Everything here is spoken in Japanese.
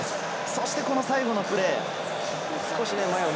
そして最後のプレー。